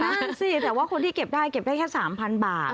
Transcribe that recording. นั่นสิแต่ว่าคนที่เก็บได้เก็บได้แค่๓๐๐บาท